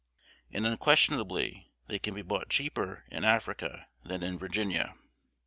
And unquestionably they can be bought cheaper in Africa than in Virginia.